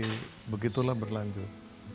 jadi begitulah berlanjut